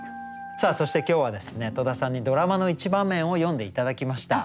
さあそして今日は戸田さんにドラマの一場面を詠んで頂きました。